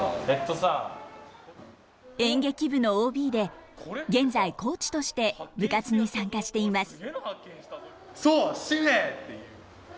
演劇部のＯＢで現在コーチとして部活に参加しています。